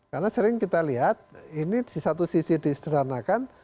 karena sering kita lihat ini di satu sisi disederhanakan